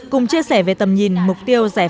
cùng chia sẻ về tầm nhìn mục tiêu giải pháp